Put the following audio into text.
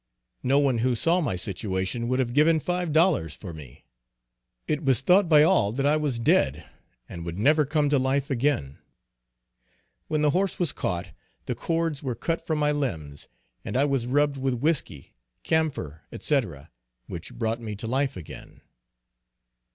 No one who saw my situation would have given five dollars for me. It was thought by all that I was dead and would never come to life again. When the horse was caught the cords were cut from my limbs, and I was rubbed with whiskey, camphor, &c, which brought me to life again.